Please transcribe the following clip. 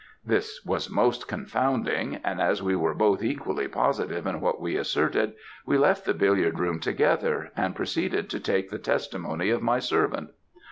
"This was most confounding; and as we were both equally positive in what we asserted, we left the billiard room together, and proceeded to take the testimony of my servant.